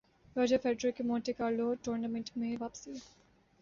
Roger Federer کی Monte Carlo tournament میں واپسی